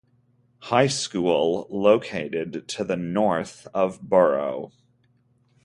High School, located to the north of borough.